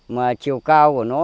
mà chiều cao của nó